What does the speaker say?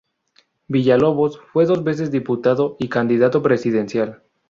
Villalobos fue dos veces diputado y candidato presidencial.